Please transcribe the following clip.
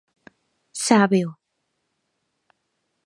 ¡Sábeo!